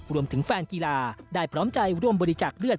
รวมถึงแฟนกีฬาได้พร้อมใจร่วมบริจาคเลือด